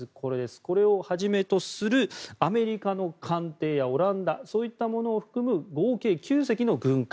これをはじめとするアメリカやオランダの艦艇を含む合計９隻の軍艦。